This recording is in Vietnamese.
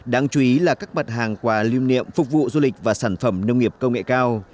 đáng chú ý là các mặt hàng quà lưu niệm phục vụ du lịch và sản phẩm nông nghiệp công nghệ cao